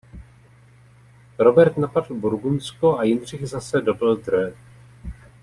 Robert napadl Burgundsko a Jindřich zase dobyl Dreux.